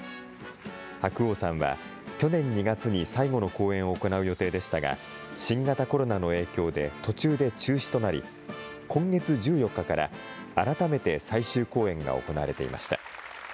白鸚さんは、去年２月に最後の公演を行う予定でしたが、新型コロナの影響で途中で中止となり、今月１４日から改めて最終公演が行われていました。